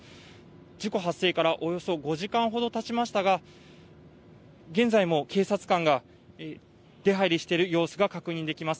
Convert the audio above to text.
事故発生からおよそ５時間ほどたちましたが、現在も警察官が出はいりしている様子が確認できます。